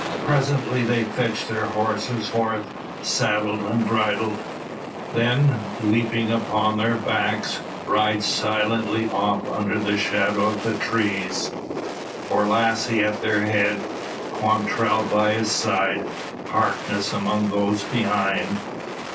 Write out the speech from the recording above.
Presently, they fetch their horses forth, saddled and bridled. Then, leaping upon their backs, ride silently off under the shadow of the trees; Borlasse at their head, Quantrell by his side, Harkness among those behind.